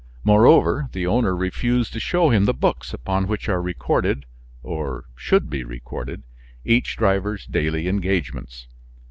Moreover, the owner refused to show him the books upon which are recorded or should be recorded each driver's daily engagements.